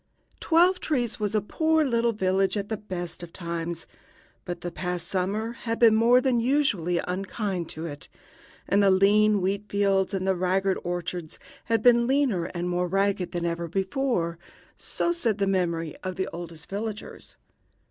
Twelve trees was a poor little village at the best of times, but the past summer had been more than usually unkind to it, and the lean wheat fields and the ragged orchards had been leaner and more ragged than ever before so said the memory of the oldest villagers.